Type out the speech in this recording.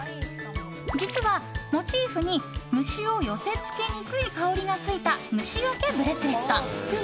実は、モチーフに虫を寄せ付けにくい香りがついた虫よけブレスレット。